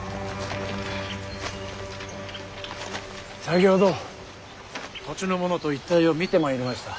先ほど土地の者と一帯を見てまいりました。